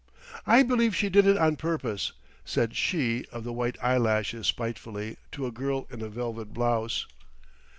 "I believe she did it on purpose," said she of the white eyelashes spitefully to a girl in a velvet blouse.